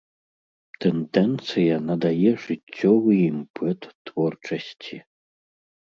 Тэндэнцыя надае жыццёвы імпэт творчасці.